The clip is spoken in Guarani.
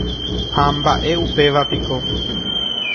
Ha mba'e upéva piko.